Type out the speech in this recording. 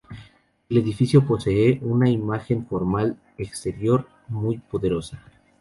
El edificio posee una imagen formal exterior muy poderosa.